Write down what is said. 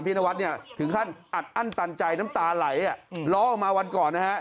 นวัดเนี่ยถึงขั้นอัดอั้นตันใจน้ำตาไหลล้อออกมาวันก่อนนะฮะ